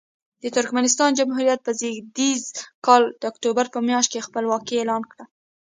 د ترکمنستان جمهوریت په زېږدیز کال د اکتوبر په میاشت کې خپلواکي اعلان کړه.